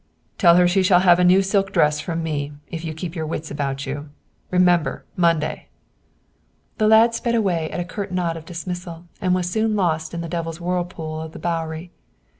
"Tell her she shall have a new silk dress from me, if you keep your wits about you. Remember, Monday!" The lad sped away at a curt nod of dismissal, and was soon lost in the devil's whirlpool of the Bowery.